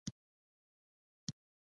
سړک ښارونه او کلیو سره نښلوي.